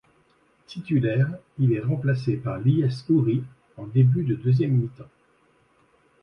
Titulaire, il est remplacé par Lyes Houri en début de deuxième mi-temps.